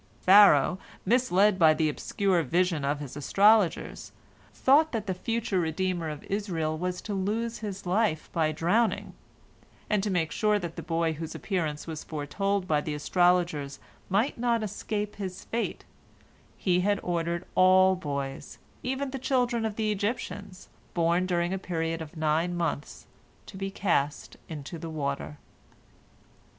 Pharaoh, misled by the obscure vision of his astrologers, thought that the future redeemer of Israel was to lose his life by drowning, and to make sure that the boy whose appearance was foretold by the astrologers might not escape his fate, he had ordered all boys, even the children of the Egyptians, born during a period of nine months to be cast into the water.